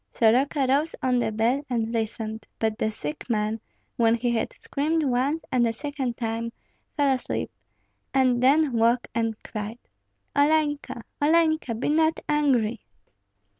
Soroka rose on the bed and listened; but the sick man, when he had screamed once and a second time, fell asleep, and then woke and cried, "Olenka, Olenka, be not angry!"